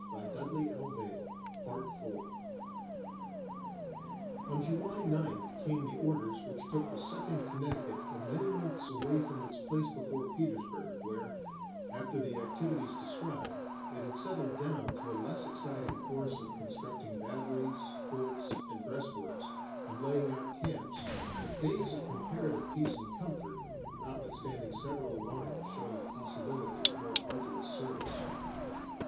[Illustration: Colonel Wessells] On July 9th came the orders which took the Second Connecticut for many months away from its place before Petersburg, where, after the activities described, it had settled down to a less exciting course of constructing batteries, forts, and breastworks, and laying out camps, with days of comparative peace and comfort notwithstanding several alarms showing the possibility of more arduous service.